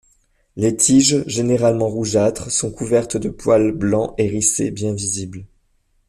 Les tiges, généralement rougeâtres, sont couvertes de poils blancs hérissés, bien visibles.